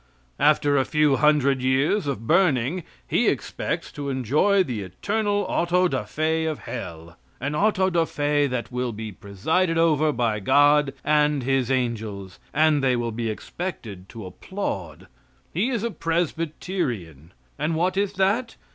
After a few hundred years of burning he expects to enjoy the eternal auto da fe of hell an auto da fe that will be presided over by God and His angels, and they will be expected to applaud. He is a Presbyterian; and what is that?